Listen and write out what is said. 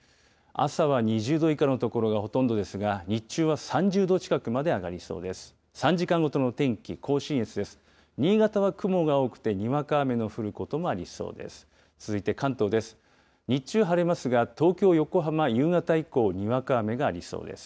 朝は２０度以下の所がほとんどですが、日中は３０度近くまで上がりそうです。